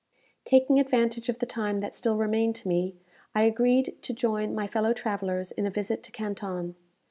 Taking advantage of the time that still remained to me, I agreed to join my fellow travellers in a visit to Canton.